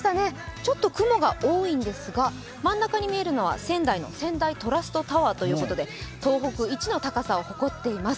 ちょっと雲が多いんですが、真ん中に見えるのは仙台の仙台トラストタワーということで東北一の高さを誇っています